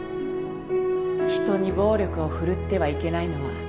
人に暴力を振るってはいけないのは